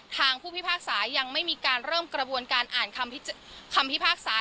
ทางผู้พิพากษายังไม่มีการเริ่มกระบวนการอ่านคำพิพากษา